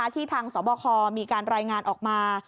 ที่ทางสบคมีการรายงานออกมา